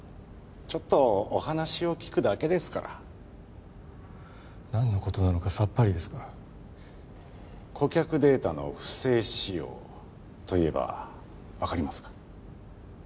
ちょっとお話を聞くだけですから何のことなのかさっぱりですが顧客データの不正使用と言えば分かりますか？